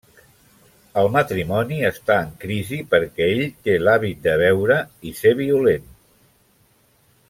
El matrimoni està en crisi perquè ell té l'hàbit de beure i ser violent.